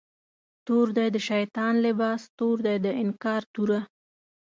تور دی د شیطان لباس، تور دی د انکار توره